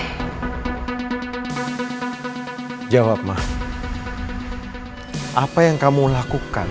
tentukan personnel siapa yang kamu lakukan